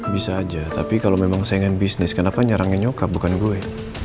bisa aja tapi kalo memang saingan bisnis kenapa nyerangnya nyokap bukan gue